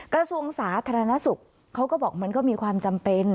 กระทรวงสาธารณสุขเขาก็บอกมันก็มีความจำเป็น